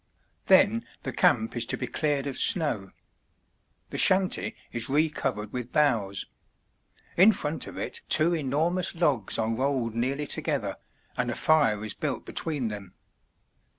Then the camp is to be cleared of snow. The shanty is re covered with boughs. In front of it two enormous logs are rolled nearly together, and a fire is built between them.